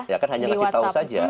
ya kan hanya kasih tahu saja